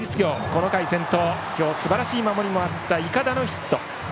この回先頭、今日すばらしい守りもあった筏のヒット。